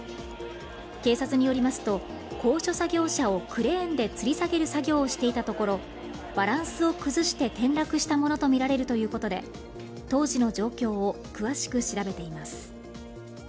警察によりますと、高所作業車をクレーンでつり下げる作業をしたところバランスを崩して転落したということで、当時の状況を詳しく調べています。